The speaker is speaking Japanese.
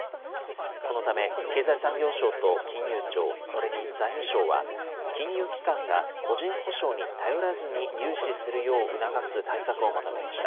このため経済産業省と金融庁、それに財務省は、金融機関が個人保証に頼らずに融資するよう促す対策をまとめました。